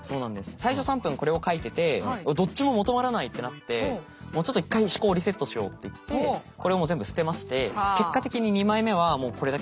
最初３分これを書いててどっちも求まらないってなってもうちょっと一回思考をリセットしようっていって結果的に２枚目はもうこれだけですね。